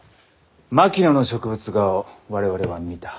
槙野の植物画を我々は見た。